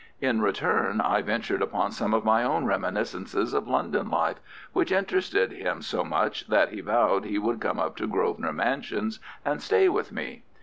In return, I ventured upon some of my own reminiscences of London life, which interested him so much, that he vowed he would come up to Grosvenor Mansions and stay with me.